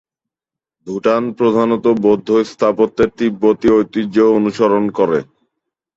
ভুটান প্রধানত বৌদ্ধ স্থাপত্যের তিব্বতি ঐতিহ্য অনুসরণ করে।